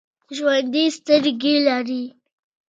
ژوندي سترګې لري